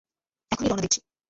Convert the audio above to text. এখনই রওনা দিচ্ছি।